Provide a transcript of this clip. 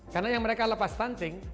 karena yang mereka lepas stunting